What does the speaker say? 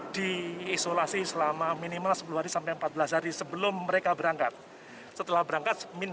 diisolasi selama minimal sepuluh hari sampai empat belas hari sebelum mereka berangkat setelah berangkat